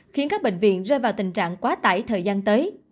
khiến các bệnh viện rơi vào tình trạng quá tải thời gian tới